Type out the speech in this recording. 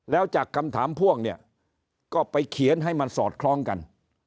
แล้วจากคำถามพ่วงเนี่ยก็ไปเขียนให้มันสอดคล้องกัน